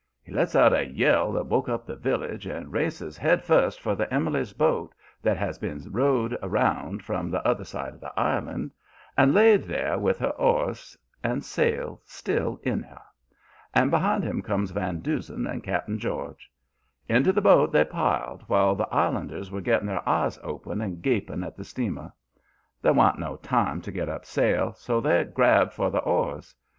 He lets out a yell that woke up the village, and races head first for the Emily's boat that had been rowed around from the other side of the island, and laid there with her oars and sail still in her. And behind him comes Van Doozen and Cap'n George. "Into the boat they piled, while the islanders were getting their eyes open and gaping at the steamer. There wa'n't no time to get up sail, so they grabbed for the oars.